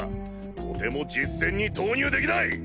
とても実戦に投入できない。